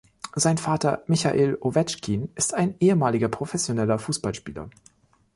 Sein Vater Michail Owetschkin ist ein ehemaliger professioneller Fußballspieler.